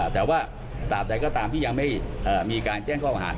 แต่ว่าตามแต่ก็ตามที่ยังไม่มีการแจ้งข้อความอาหาร